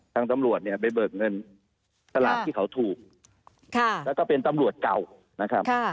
ตำรวจเนี่ยไปเบิกเงินสลากที่เขาถูกแล้วก็เป็นตำรวจเก่านะครับ